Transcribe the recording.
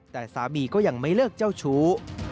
แต่สามีก็ยังไม่เลิกเจ้าชู้